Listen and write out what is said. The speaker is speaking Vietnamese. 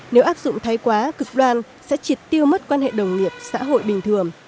nếu áp dụng thay quá cực đoan sẽ triệt tiêu mất quan hệ đồng nghiệp xã hội bình thường